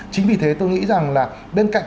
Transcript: chính vì thế tôi nghĩ rằng là bên cạnh